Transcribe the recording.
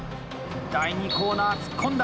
第２コーナー突っ込んだ！